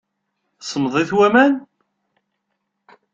Semmeḍ-it waman?